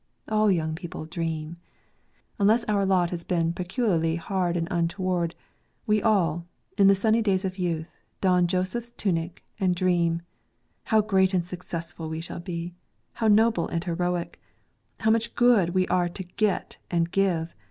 All young people dream. Unless our lot has been peculiarly hard and untoward, we all, in the sunny days of youth, don Joseph's tunic, and dream — how great and successful we shall be !— how noble and heroic! — how much good we are to get and give!